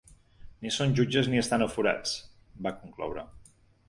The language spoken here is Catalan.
Ni són jutges ni estan aforats, va concloure.